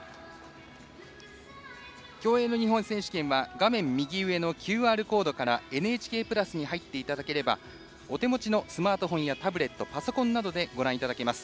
競泳の日本選手権は画面のＱＲコードから「ＮＨＫプラス」に入っていただければお手持ちのスマートフォンやタブレットパソコンなどでご覧いただけます。